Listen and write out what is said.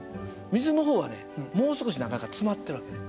水の方はねもう少し中が詰まってる訳ね。